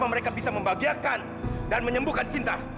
apa mereka bisa membagiakan dan menyembuhkan cinta